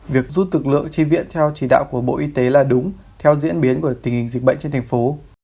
việc rút thực lượng chi viện theo chỉ đạo của bộ y tế là đúng theo diễn biến của tình hình dịch bệnh trên tp hcm